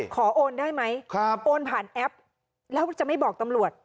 โอนได้ไหมโอนผ่านแอปแล้วจะไม่บอกตำรวจ